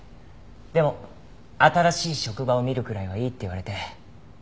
でも新しい職場を見るくらいはいいって言われて。